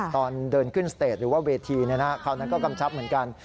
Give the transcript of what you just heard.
ตอนเดินขึ้นสเตจหรือว่าเวทีคราวนั้นก็กำชับเหมือนกัน